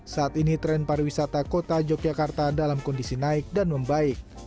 saat ini tren pariwisata kota yogyakarta dalam kondisi naik dan membaik